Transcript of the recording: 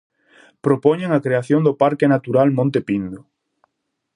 Propoñen a creación do Parque Natural Monte Pindo.